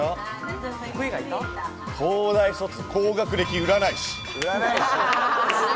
東大卒、高学歴、占い師。